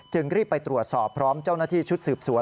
รีบไปตรวจสอบพร้อมเจ้าหน้าที่ชุดสืบสวน